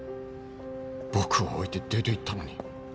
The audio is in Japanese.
僕を置いて出ていったのに